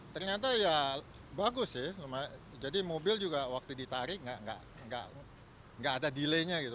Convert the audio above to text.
ternyata ya bagus sih jadi mobil juga waktu ditarik nggak nggak nggak nggak ada dilenya gitu